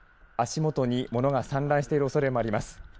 足元に物が散乱しているおそれもあります